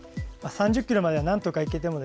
３０ｋｍまではなんとか行けても